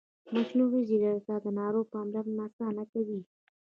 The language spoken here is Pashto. مصنوعي ځیرکتیا د ناروغ پاملرنه اسانه کوي.